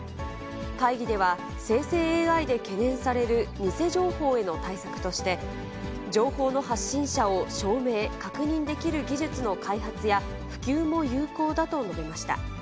会議では、生成ＡＩで懸念される偽情報への対策として、情報の発信者を証明・確認できる技術の開発や、普及も有効だと述べました。